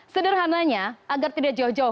sederhananya agar tidak jauh jauh